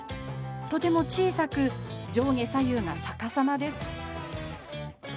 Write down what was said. とても小さく上下左右が逆さまです。